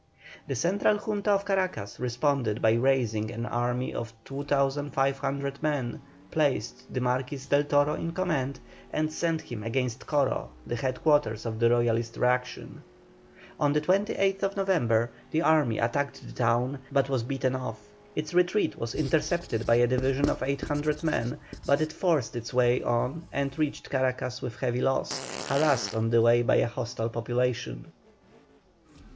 The Central Junta of Caracas responded by raising an army of 2,500 men; placed the Marquis Del Toro in command, and sent him against Coro, the head quarters of the Royalist reaction. On the 28th November the army attacked the town, but was beaten off. Its retreat was intercepted by a division of 800 men, but it forced its way on and reached Caracas with heavy loss, harassed on the way by a hostile population.